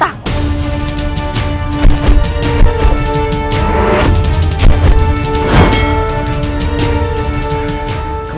aku tidak akan menangkapmu